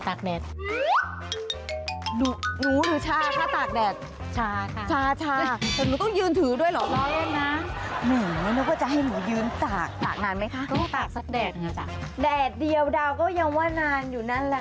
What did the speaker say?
แต่หนูต้องยืนถือด้วยเหรอ